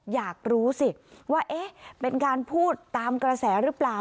อยากรู้สิว่าเอ๊ะเป็นการพูดตามกระแสหรือเปล่า